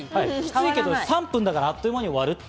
でも３分だから、あっという間に終わる。